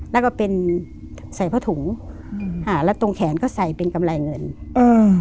แล้วก็เป็นใส่ผ้าถุงอืมอ่าแล้วตรงแขนก็ใส่เป็นกำไรเงินอืม